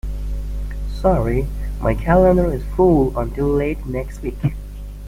Sorry, my calendar is full until late next week.